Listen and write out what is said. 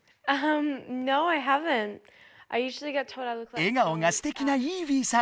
笑顔がステキなイーヴィーさん。